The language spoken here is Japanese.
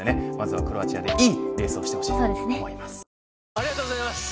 ありがとうございます！